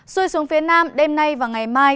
xui xuống phía nam đêm nay và ngày mai